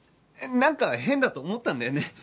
なんか変だと思ったんだよね。